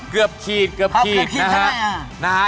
เกือบขีดเกือบขีดนะฮะ